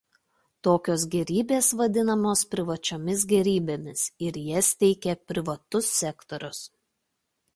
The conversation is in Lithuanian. Tokios gėrybės vadinamos privačiomis gėrybėmis ir jas teikia privatus sektorius.